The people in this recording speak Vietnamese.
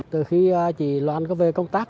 từ khi chị loan có về công tác